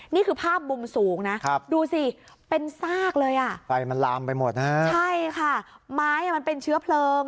นี่คือภาพบุมสูงนะดูสิเป็นซากเลยอะใช่ค่ะไม้มันเป็นเชื้อเผลิง